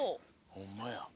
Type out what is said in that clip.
ほんまや！